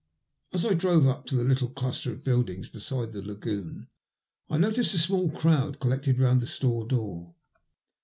As I drove up to the little cluster of buildings beside the lagoon I noticed a small crowd collected round the store door.